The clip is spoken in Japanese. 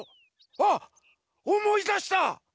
あっおもいだした！